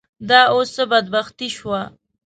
دا اوس څه بدبختي شوه.